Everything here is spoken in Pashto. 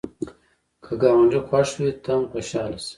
که ګاونډی خوښ وي، ته هم خوشحاله شه